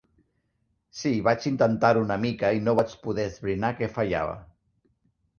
Sí, vaig intentar-ho una mica i no vaig poder esbrinar què fallava.